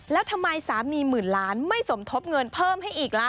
แล้วทำไมสามีหมื่นล้านไม่สมทบเงินเพิ่มให้อีกล่ะ